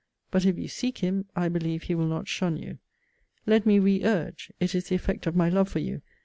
But if you seek him, I believe he will not shun you. Let me re urge, [it is the effect of my love for you!